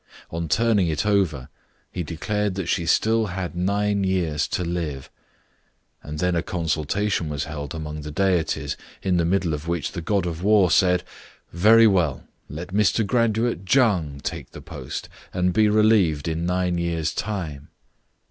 On turning it over, he declared that she still had nine years to live ; and then a con sultation was held among the deities, in the middle of which the God of War said, "Very well. Let Mr. graduate Chang take the post, and be relieved in nine years' time."